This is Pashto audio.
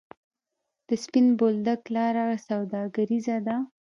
د سپین بولدک لاره سوداګریزه ده